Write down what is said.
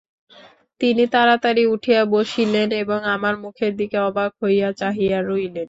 তিনি তাড়াতাড়ি উঠিয়া বসিলেন এবং আমার মুখের দিকে অবাক হইয়া চাহিয়া রহিলেন।